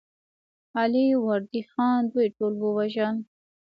علي وردي خان دوی ټول ووژل.